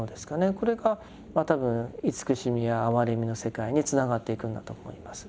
これが多分慈しみや哀れみの世界につながっていくんだと思います。